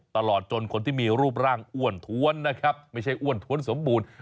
ตลอดจนคนที่มีรูปร่างอ้วนท้วนนะครับไม่ใช่อ้วนท้วนสมบูรณ์